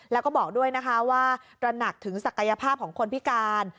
แล้วก็บอกด้วยนะคะว่าตระหนักถึงศักยภาพของคนพิการ